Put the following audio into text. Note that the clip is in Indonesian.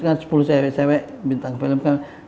kan sepuluh cewek cewek bintang film